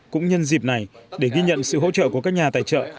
cũng nhân dịp này để ghi nhận sự hỗ trợ của các nhà tài trợ